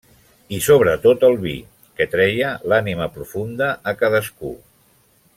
I sobretot el vi, que treia l’ànima profunda a cadascú.